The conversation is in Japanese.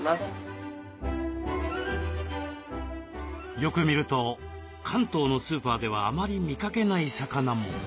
よく見ると関東のスーパーではあまり見かけない魚も。